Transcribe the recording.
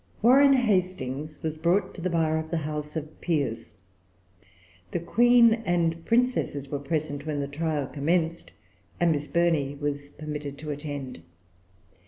Warren Hastings was brought to the bar of the House of Peers. The Queen and Princesses were present when the trial commenced, and Miss Burney was permitted to attend.